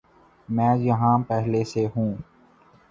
میں یہاں پہلے سے ہوں